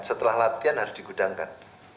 setelah latihan harus digudangkan